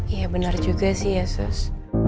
iya benar juga sih ya sus